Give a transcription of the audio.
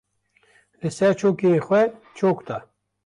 Li ser çokên xwe çok da.